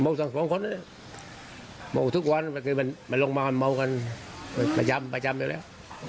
เมาสังสองคนอ่ะเมาทุกวันมันมันลงมาเมากันประจำประจำอยู่แล้ว